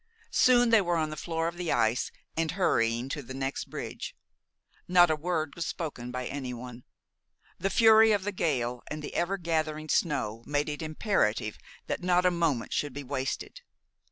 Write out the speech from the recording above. Soon they were on the floor of the ice and hurrying to the next bridge. Not a word was spoken by anyone. The fury of the gale and the ever gathering snow made it imperative that not a moment should be wasted.